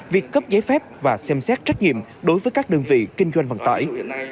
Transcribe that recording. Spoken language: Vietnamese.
việc cấp giấy phép và xem xét trách nhiệm đối với các đơn vị kinh doanh vận tải